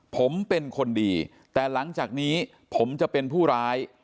ผมเป็นคนดีแต่หลังจากนี้ผมจะเป็นผู้ร้าย